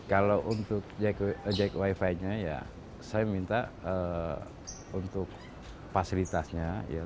kalau untuk jackwifi nya ya saya minta untuk fasilitasnya ya